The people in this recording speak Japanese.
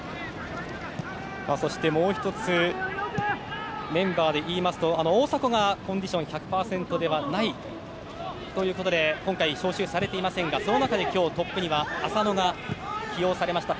そしてもう１つメンバーでいいますと大迫がコンディション１００％ではないということで今回、招集されていませんがその中で今日トップには浅野が起用されました。